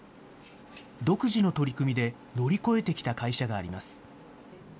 独自の取り組みで乗り越えてきた会社があります。